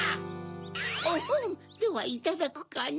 オホンではいただくかの。